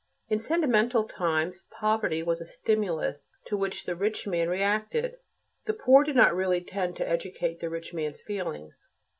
In sentimental times, poverty was a stimulus to which the rich man reacted. The poor did not really tend to educate the rich man's feelings.